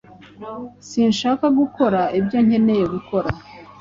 Sinshaka gukora ibyo nkeneye gukora.